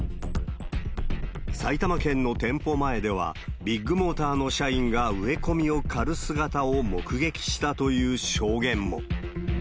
埼玉県の店舗前では、ビッグモーターの社員が植え込みを刈る姿を目撃したという証言も。